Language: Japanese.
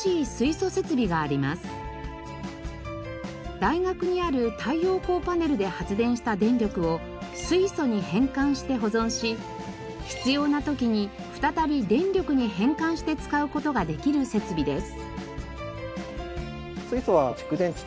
大学にある太陽光パネルで発電した電力を水素に変換して保存し必要な時に再び電力に変換して使う事ができる設備です。